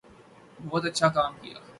بہت اچھا کام کیا